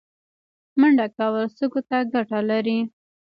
منډه کول سږو ته ګټه لري